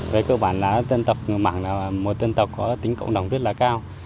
về cơ bản là dân tộc mạng là một dân tộc có tính cộng đồng rất là cao